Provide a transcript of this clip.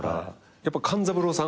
やっぱ勘三郎さん？